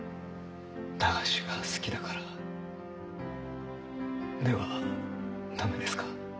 駄菓子が好きだからでは駄目ですか？